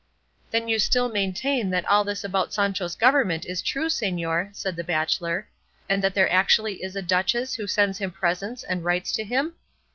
"Then you still maintain that all this about Sancho's government is true, señor," said the bachelor, "and that there actually is a duchess who sends him presents and writes to him?